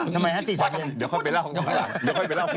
ทำไมครับ๔สัปดาห์เดี๋ยวค่อยไปเล่า